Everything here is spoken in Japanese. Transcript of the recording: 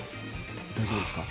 大丈夫ですか？